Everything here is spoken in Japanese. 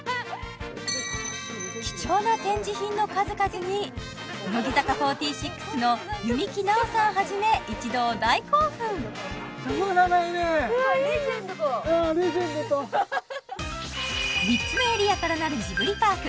貴重な展示品の数々に乃木坂４６の弓木奈於さんはじめ一同大興奮レジェンドとうんレジェンドと３つのエリアから成るジブリパーク